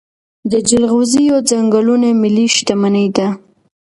د جلغوزیو ځنګلونه ملي شتمني ده.